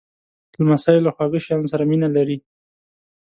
لمسی له خواږه شیانو سره مینه لري.